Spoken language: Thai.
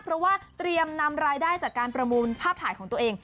เพราะว่าเตรียมนำรายได้จากการประมูลภาพถ่ายของตัวเอง